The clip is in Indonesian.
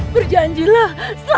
berjanjilah selamat tinggal